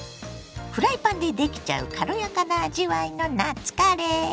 フライパンでできちゃう軽やかな味わいの夏カレー。